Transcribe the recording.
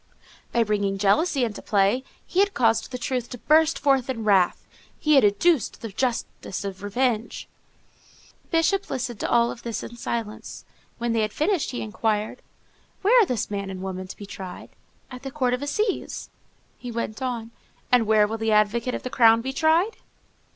By bringing jealousy into play, he had caused the truth to burst forth in wrath, he had educed the justice of revenge. The Bishop listened to all this in silence. When they had finished, he inquired,— "Where are this man and woman to be tried?" "At the Court of Assizes." He went on, "And where will the advocate of the crown be tried?"